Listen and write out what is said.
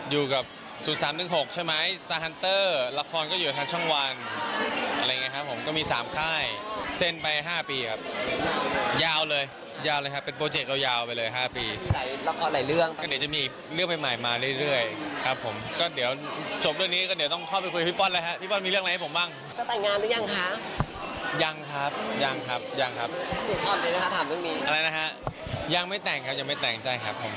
ยังครับยังครับยังครับยังไม่แต่งครับยังไม่แต่งใจครับผม